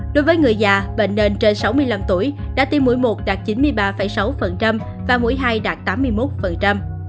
đối với người già bệnh nền trên sáu mươi năm tuổi đã tiêm mũi một đạt chín mươi ba sáu và mũi hai đạt tám mươi một